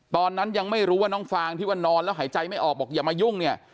ตอนนั้นยังไม่รู้ว่าน้องฟางที่ว่านอนแล้วหายใจไม่ออกบอกอย่ามายุ่งเนี่ย